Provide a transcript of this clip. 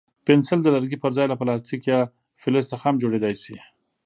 پنسل د لرګي پر ځای له پلاستیک یا فلز څخه هم جوړېدای شي.